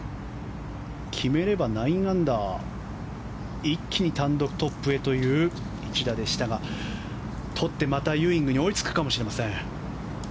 決めれば９アンダー一気に単独トップへという１打でしたがとってまたユーイングに追いつくかもしれません。